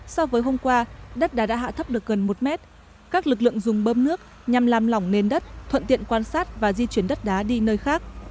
so với hôm qua đất đã hạ thấp được gần một mét các lực lượng dùng bơm nước nhằm làm lỏng nền đất thuận tiện quan sát và di chuyển đất đá đi nơi khác